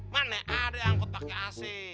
mana ada angkot pakai ac